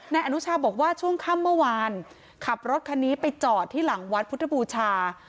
อนุชาบอกว่าช่วงค่ำเมื่อวานขับรถคันนี้ไปจอดที่หลังวัดพุทธบูชา